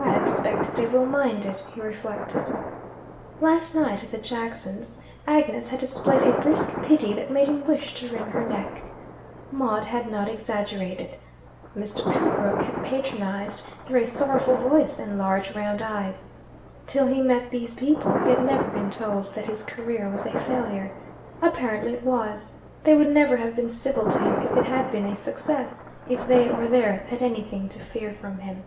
"I expect they will mind it," he reflected. Last night, at the Jacksons', Agnes had displayed a brisk pity that made him wish to wring her neck. Maude had not exaggerated. Mr. Pembroke had patronized through a sorrowful voice and large round eyes. Till he met these people he had never been told that his career was a failure. Apparently it was. They would never have been civil to him if it had been a success, if they or theirs had anything to fear from him.